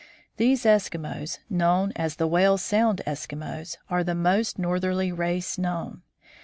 These Eskimos, known as the Whale Sound Eskimos, are the most northerly race known.